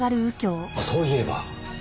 あっそういえば。